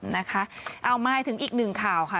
นะคะเอามาถึงอีกหนึ่งข่าวค่ะ